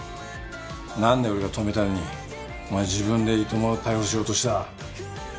何で俺が止めたのにお前自分で糸間を逮捕しようとした？